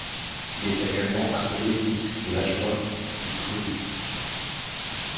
Il est également appelé district de l'Ajoie et du Clos du Doubs.